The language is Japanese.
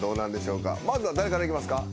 まずは誰からいきますか？